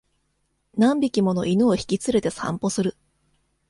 何匹もの犬を引き連れて散歩する